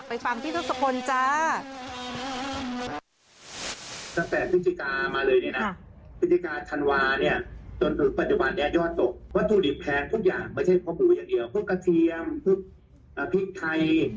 ไปฟังที่ทุกคนจ้า